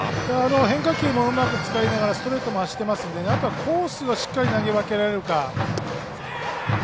変化球もうまく使いながらストレートも走ってますんであとはコースをしっかり投げ分けられるか。